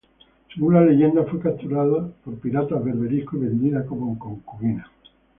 Según la leyenda, fue capturada por piratas berberiscos y vendida como concubina.